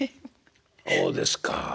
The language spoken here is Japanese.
そうですかあ。